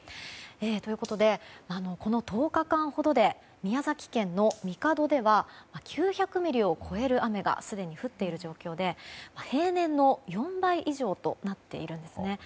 ということでこの１０日間ほどで宮崎県の神門では９００ミリを超える雨がすでに降っている状況で平年の４倍以上となっているんです。